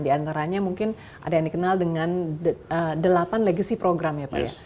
di antaranya mungkin ada yang dikenal dengan delapan legacy program ya pak ya